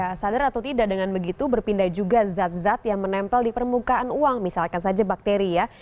ya sadar atau tidak dengan begitu berpindah juga zat zat yang menempel di permukaan uang misalkan saja bakteri ya